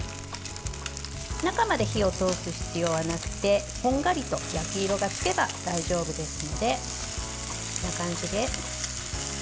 中まで火を通す必要はなくてこんがりと焼き色がつけば大丈夫ですので、こんな感じで。